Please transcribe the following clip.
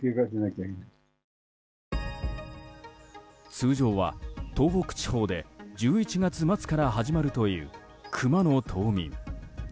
通常は東北地方で１１月末から始まるというクマの冬眠。